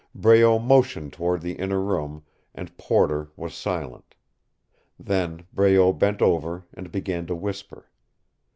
Breault motioned toward the inner room, and Porter was silent. Then Breault bent over and began to whisper.